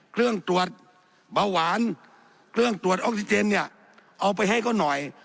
เครื่องตรวจเบาหวานเครื่องตรวจออกซิเจนเนี่ยเอาไปให้เขาหน่อย